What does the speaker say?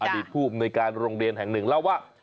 อดีตผู้อำนวยการโรงเรียนแห่งหนึ่งเล่าว่า